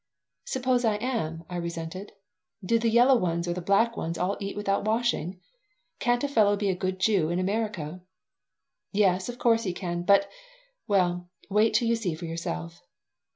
"Suppose I am," I resented. "Do the yellow ones or black ones all eat without washing? Can't a fellow be a good Jew in America?" "Yes, of course he can, but well, wait till you see for yourself."